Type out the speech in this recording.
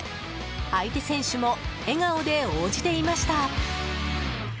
相手選手も笑顔で応じていました。